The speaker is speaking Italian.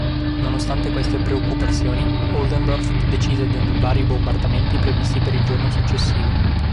Nonostante queste preoccupazioni, Oldendorf decise di annullare i bombardamenti previsti per il giorno successivo.